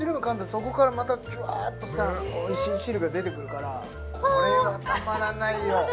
そこからまたじゅわっとさ美味しい汁が出てくるからこれはたまらないよ